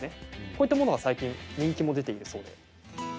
こういったものが最近、人気も出ているそうで。